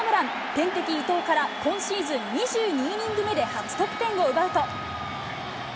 天敵、伊藤から今シーズン２２イニング目で初得点を奪うと。